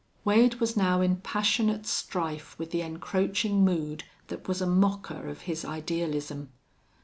Wade was now in passionate strife with the encroaching mood that was a mocker of his idealism.